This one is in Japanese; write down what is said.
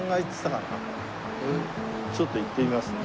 ちょっと行ってみます。